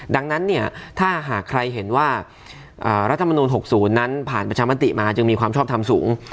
ดังนั้นเนี่ยถ้าหากใครเห็นว่ารัฐมนุน๖๐นั้นผ่านประชามติมาจึงมีความชอบทำสูง